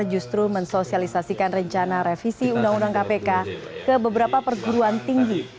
justru mensosialisasikan rencana revisi undang undang kpk ke beberapa perguruan tinggi